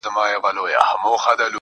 سور زېږوي راته سرور جوړ كړي_